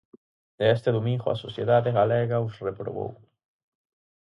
E este domingo a sociedade galega os reprobou.